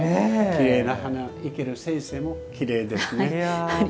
きれいな花を生ける先生もきれいですね。